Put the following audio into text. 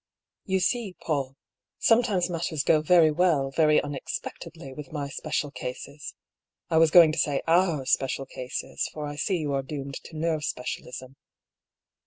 You see, PauU, sometimes matters go very well very unexpectedly with 'my special cases. (I was going to say our special cases, for I see you are doomed to nerve specialism.)